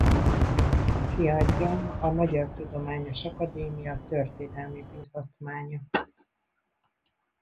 Kiadja a Magyar Tudományos Akademia Történelmi Bizottmánya.